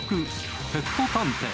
ペット探偵。